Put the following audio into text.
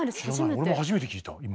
俺も初めて聞いた今。